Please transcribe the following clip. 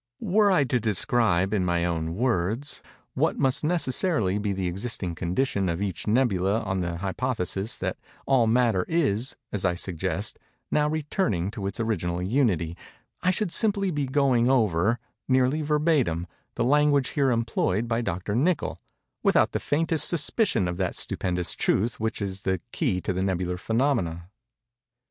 Were I to describe, in my own words, what must necessarily be the existing condition of each nebula on the hypothesis that all matter is, as I suggest, now returning to its original Unity, I should simply be going over, nearly verbatim, the language here employed by Dr. Nichol, without the faintest suspicion of that stupendous truth which is the key to these nebular phænomena.